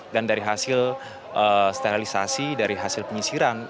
dan dari hasil sterilisasi dari hasil penyisiran